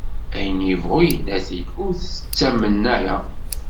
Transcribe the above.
Ayen yebɣu yenna-t-id, ur t-ttamen ara.